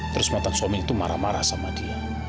terus mantan suami itu marah marah sama dia